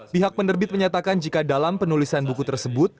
pihak penerbit menyatakan jika dalam penulisan buku tersebut